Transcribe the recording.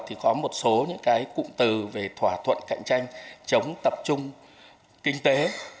thì có một số những cái cụm từ về thỏa thuận cạnh tranh chống tập trung kinh tế